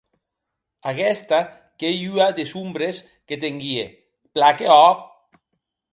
Aguesta qu’ei ua des ombres que tenguie, plan que òc.